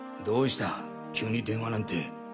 どうした急に電話なんて。